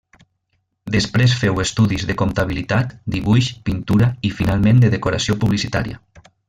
Després féu estudis de comptabilitat, dibuix, pintura i finalment de decoració publicitària.